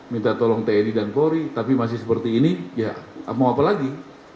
minta tolong tni dan polri tapi masih seperti ini ya mau apa lagi